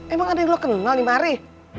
emang ada yang lo kenal nih ma hari